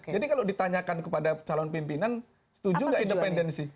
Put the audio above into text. jadi kalau ditanyakan kepada calon pimpinan setuju nggak independensi